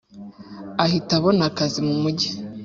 ahita abona akazi mu mujyi